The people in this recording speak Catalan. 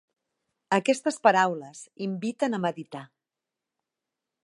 Aquestes paraules inviten a meditar.